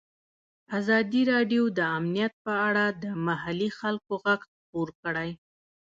ازادي راډیو د امنیت په اړه د محلي خلکو غږ خپور کړی.